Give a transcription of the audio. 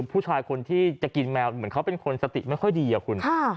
ผู้ชายคนที่จะกินแมวเหมือนเขาเป็นคนสติไม่ค่อยดีอะคุณ